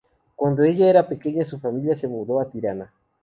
Cuando ella era pequeña su familia se mudó a Tirana.